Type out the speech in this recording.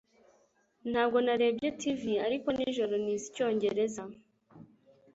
Ntabwo narebye TV ariko nijoro nize icyongereza.